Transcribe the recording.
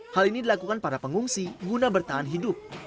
hal ini dilakukan para pengungsi guna bertahan hidup